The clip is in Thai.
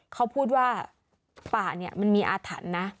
เขาพูดว่าป่าเนี่ยมันมีอาถรรพ์นะ